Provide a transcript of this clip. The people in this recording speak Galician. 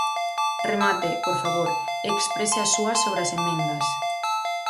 Remate, por favor, e exprese a súa sobre as emendas.